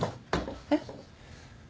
えっ？